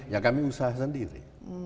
ya kami usaha sendiri